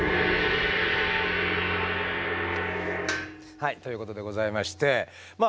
はいということでございましてまあ